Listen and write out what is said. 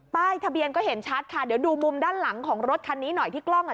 ทะเบียนก็เห็นชัดค่ะเดี๋ยวดูมุมด้านหลังของรถคันนี้หน่อยที่กล้องอ่ะ